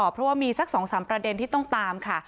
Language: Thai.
เพราะว่ามีสัก๒๓ประเด็นที่ต้องตามค่ะ